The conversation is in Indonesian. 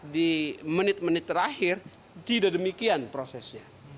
di menit menit terakhir tidak demikian prosesnya